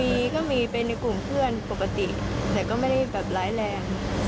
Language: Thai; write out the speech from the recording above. มีก็มีเป็นในกลุ่มเพื่อนปกติแต่ก็ไม่ได้แบบร้ายแรง